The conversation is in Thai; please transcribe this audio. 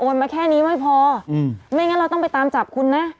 มาแค่นี้ไม่พออืมไม่งั้นเราต้องไปตามจับคุณนะ